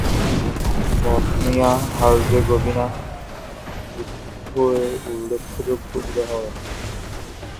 বসনিয়া-হার্জেগোভিনা যুদ্ধ এর উল্লেখযোগ্য উদাহরণ।